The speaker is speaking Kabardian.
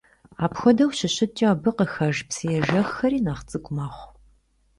Апхуэдэу щыщыткӀэ, абы къыхэж псыежэххэри нэхъ цӀыкӀу мэхъу.